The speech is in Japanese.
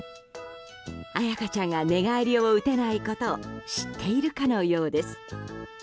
あやかちゃんが寝返りを打てないことを知っているかのようです。